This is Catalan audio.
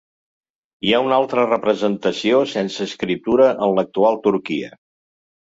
Hi ha una altra representació, sense escriptura, en l'actual Turquia.